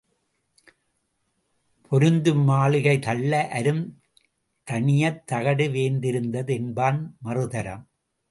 பொருந்தும் மாளிகை தள்ள அரும் தனியத் தகடு வேய்ந்திருந்தது என்பான் மறுதரம்.